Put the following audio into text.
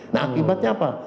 nah akibatnya apa